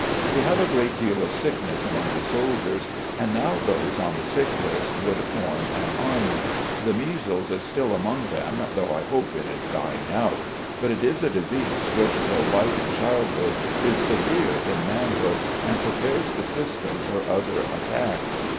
" We have a great deal of sickness among the soldiers, and now those on the sick list wotild form an army. The measles is still among them, though I hope it is dying out. But it is a disease which though light in childhood is severe in manhood, and prepares the system for other attacks.